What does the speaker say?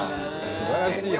すばらしいよ。